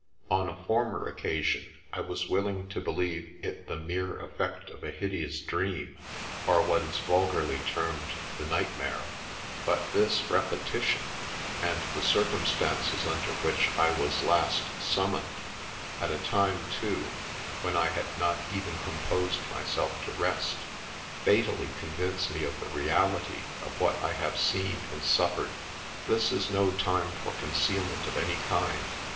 " On a former occasion I was willing to believe it the mere effect of a hideous dream, or what is vulgarly termed the nightmare ; but this repetition, and the circumstances under which I was last summoned, at a time, too, when I had not even composed myself to rest, fatally convince me of the reality of what I have seen and suffered. '" This is no time for concealment of any kind.